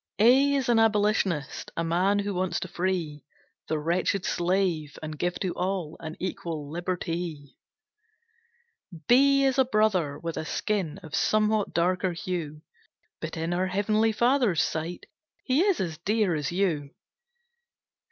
A A is an Abolitionist A man who wants to free The wretched slave and give to all An equal liberty. B B is a Brother with a skin Of somewhat darker hue, But in our Heavenly Father's sight, He is as dear as you.